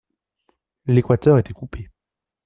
L'Équateur était coupé.